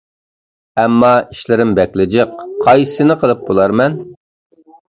ئەمما ئىشلىرىم بەكلا جىق. قايسىسىنى قىلىپ بولارمەن؟